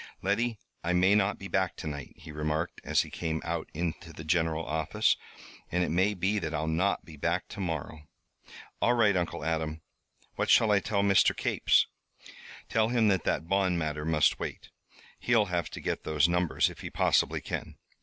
"Letty, I may not be back to night," he remarked, as he came out into the general office. "And it may be that I'll not be back to morrow." "All right, Uncle Adam. What shall I tell Mr. Capes?" "Tell him that that bond matter must wait. He'll have to get those numbers if he possibly can.